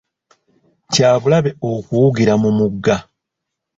Kya bulabe okuwugira mu mugga.